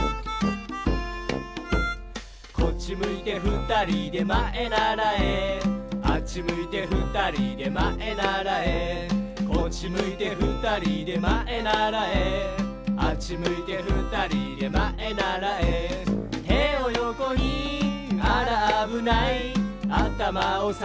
「こっちむいてふたりでまえならえ」「あっちむいてふたりでまえならえ」「こっちむいてふたりでまえならえ」「あっちむいてふたりでまえならえ」「てをよこにあらあぶない」「あたまをさげればぶつかりません」